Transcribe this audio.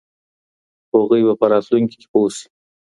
هغوی به په راتلونکي کي پوه سي.